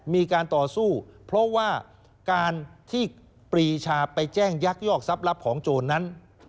มีการต่อสู้เพราะว่าการที่ปรีชาไปแจ้งยักยอกทรัพย์รับของโจรนั้น